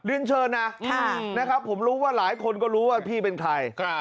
เรียนเชิญนะนะครับผมรู้ว่าหลายคนก็รู้ว่าพี่เป็นใคร